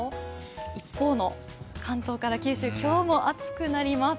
一方の関東から九州、今日も暑くなります。